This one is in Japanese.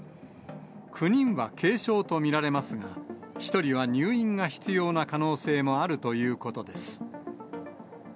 ９人は軽症と見られますが、１人は入院が必要な可能性もあるということです。